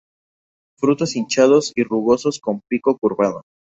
Frutos hinchados y rugosos con pico curvado.